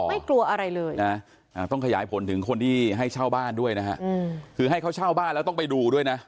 ไม่กลัวอะไรเลยนะต้องขยายผลถึงคนที่ให้เช่าบ้านด้วยนะฮะคือให้เขาเช่าบ้านแล้วต้องไปดูด้วยนะ